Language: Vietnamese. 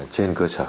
trên cơ sở